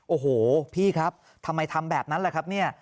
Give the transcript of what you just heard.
โอ้โหพี่ครับทำไมทำแบบนั้นแหละครับเนี่ย